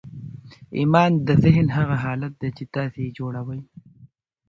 ایمان د ذهن هغه حالت دی چې تاسې یې جوړوئ